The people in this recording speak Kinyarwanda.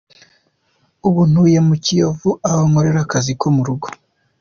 Ubu ntuye mu Kiyovu aho nkorera akazi ko murugo.